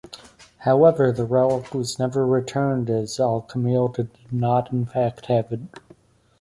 However, the relic was never returned as Al-Kamil did not, in fact, have it.